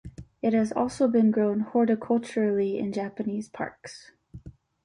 It has also been grown horticulturally in Japanese parks.